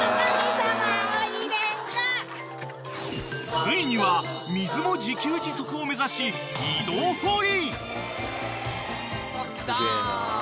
［ついには水も自給自足を目指し井戸掘り！］